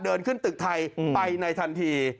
เดินขึ้นตึกไทยไปในทันที